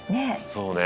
「そうね。